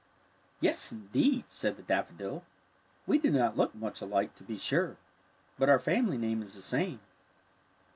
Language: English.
^' Yes, indeed," said the daffodil. " We do not look much alike, to be sure. But our family name is the same."